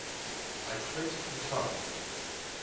I clicked the tongue.